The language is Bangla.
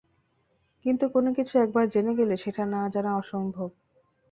কিন্তু কোনোকিছু একবার জেনে গেলে, সেটা না জানা অসম্ভব।